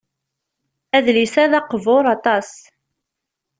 Adlis-a d aqbuṛ aṭas.